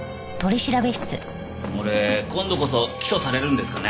俺今度こそ起訴されるんですかね？